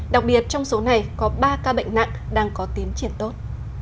đặc biệt trong số này có ba ca bệnh nặng đang có tiến triển tốt